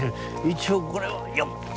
一応これはよっ！